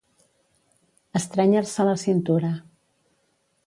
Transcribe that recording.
Estrènyer-se la cintura.